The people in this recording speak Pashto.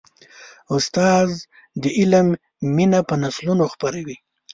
استاد د علم مینه په نسلونو خپروي.